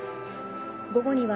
午後には、